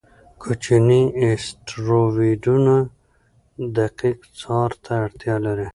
کوچني اسټروېډونه دقیق څار ته اړتیا لري.